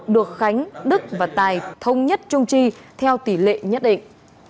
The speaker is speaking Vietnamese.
được khánh đức và tài thông nhất chung tri theo tỷ lệ nhất định